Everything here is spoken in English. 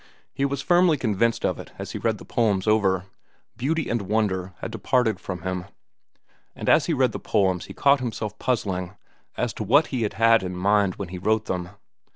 He was firmly convinced of it as he read the poems over. Beauty and wonder had departed from him, and as he read the poems he caught himself puzzling as to what he had had in mind when he wrote them.